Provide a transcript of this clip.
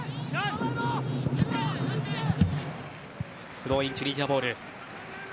スローイン、チュニジアボール。